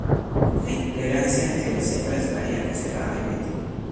La intolerancia entre las hembras varía considerablemente.